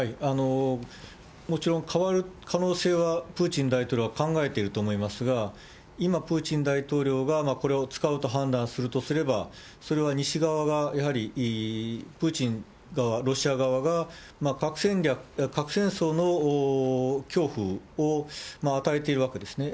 もちろん変わる可能性は、プーチン大統領は考えていると思いますが、今プーチン大統領がこれを使うと判断するとすれば、それは西側がやはりプーチンが、ロシア側が、核戦争の恐怖を与えているわけですね。